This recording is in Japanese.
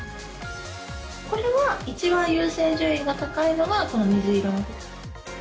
これは一番優先順位が高いのがこの水色の。